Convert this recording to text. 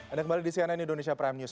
anda kembali di cnn indonesia prime news